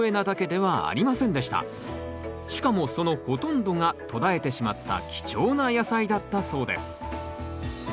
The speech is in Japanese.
しかもそのほとんどが途絶えてしまった貴重な野菜だったそうです